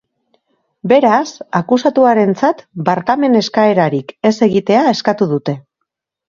Beraz, akusatuarentzat barkamen eskaerarik ez egitea eskatu dute.